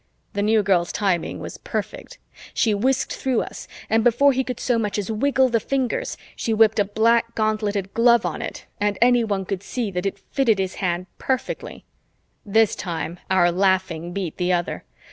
The New Girl's timing was perfect. She whisked through us, and before he could so much as wiggle the fingers, she whipped a black gauntleted glove on it and anyone could see that it fitted his hand perfectly. This time our laughing beat the other.